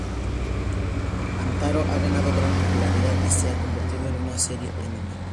Hamtaro ha ganado gran popularidad y se ha convertido en una serie de anime.